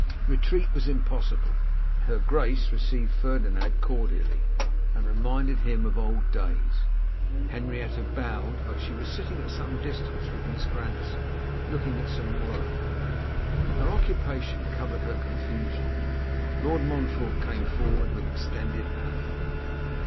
Retreat was impossible. Her Grace received Ferdinand cordially, and reminded him of old days. Henrietta bowed, but she was sitting at some distance with Miss Grandison, looking at some work. Her occupation covered her confusion. Lord Montfort came forward with extended hand.